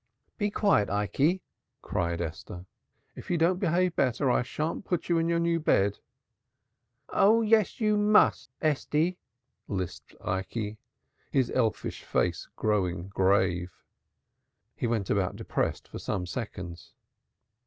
"Be quiet, Ikey!" cried Esther. "If you don't behave better I shan't sleep in your new bed." "Oh yeth, you mutht, Ethty," lisped Ikey, his elfish face growing grave. He went about depressed for some seconds.